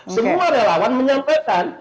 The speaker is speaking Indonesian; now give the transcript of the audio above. semua relawan menyampaikan